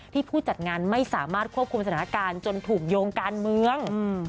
ผู้จัดงานไม่สามารถควบคุมสถานการณ์จนถูกโยงการเมือง